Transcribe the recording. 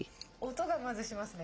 音が、まずしますね。